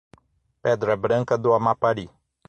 Pedra Branca do Amapari